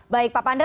baik pak pandra